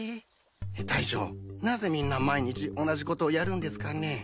大将なぜみんな毎日同じことをやるんですかね？